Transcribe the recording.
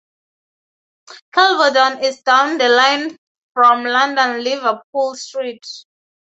Kelvedon is down the line from London Liverpool Street.